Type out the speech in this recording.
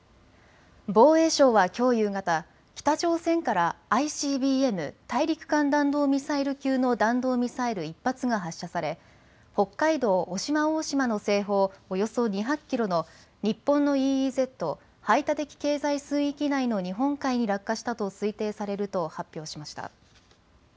防衛省はきょう夕方、北朝鮮からＩＣＢＭ・大陸間弾道ミサイル級の弾道ミサイル１発が発射され北海道渡島大島の西方およそ２００キロの日本のＥＥＺ・排他的経済水域内の日本海に落下したと推定されると発表しました。